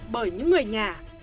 bởi những người nhà